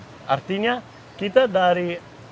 jadi kita dari